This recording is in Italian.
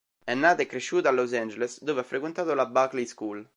È nata e cresciuta a Los Angeles dove ha frequentato la Buckley School.